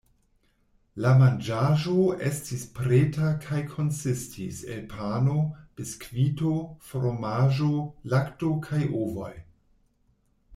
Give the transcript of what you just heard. La manĝaĵo estis preta kaj konsistis el pano, biskvito, fromaĝo, lakto kaj ovoj.